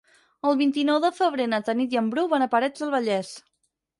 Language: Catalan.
El vint-i-nou de febrer na Tanit i en Bru van a Parets del Vallès.